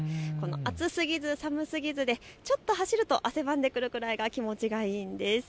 この暑すぎず寒すぎずでちょっと走ると汗ばむくらいが気持ちがいいんです。